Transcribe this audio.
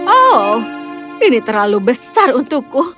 oh ini terlalu besar untukku